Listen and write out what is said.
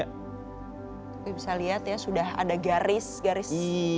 tapi bisa lihat ya sudah ada garis garis